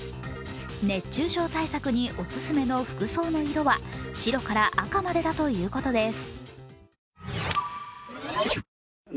熱中症対策にお勧めの服の色は白から赤までだといいます。